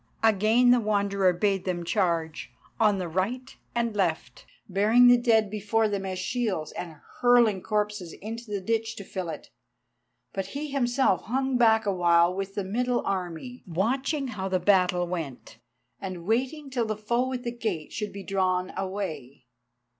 Again the Wanderer bade them charge on the right and left, bearing the dead before them as shields, and hurling corpses into the ditch to fill it. But he himself hung back awhile with the middle army, watching how the battle went, and waiting till the foe at the gate should be drawn away.